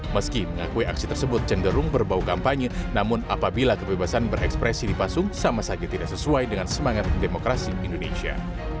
meski mengakui aksi tersebut cenderung berbau kampanye namun apabila kebebasan berekspresi dipasung sama saja tidak sesuai dengan semangat demokrasi indonesia